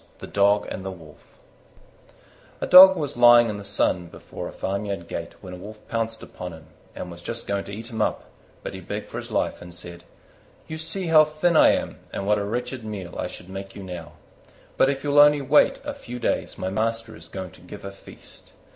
THE DOG AND THE WOLF A Dog was lying in the sun before a farmyard gate when a Wolf pounced upon him and was just going to eat him up; but he begged for his life and said, "You see how thin I am and what a wretched meal I should make you now: but if you will only wait a few days my master is going to give a feast.